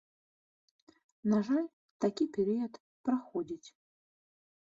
На жаль, такі перыяд праходзіць.